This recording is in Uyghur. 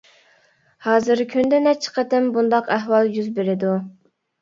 ھازىر كۈندە نەچچە قېتىم بۇنداق ئەھۋال يۈز بېرىدۇ.